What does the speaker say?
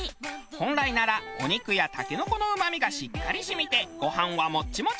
本来ならお肉やタケノコのうまみがしっかり染みてご飯はモッチモチ。